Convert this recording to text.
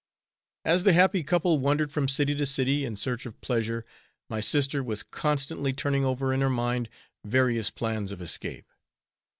As the happy couple wandered from city to city, in search of pleasure, my sister was constantly turning over in her mind various plans of escape.